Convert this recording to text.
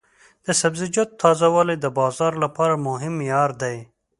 د سبزیجاتو تازه والی د بازار لپاره مهم معیار دی.